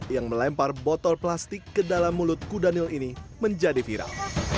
yang melempar botol plastik ke dalam mulut kudanil ini menjadi viral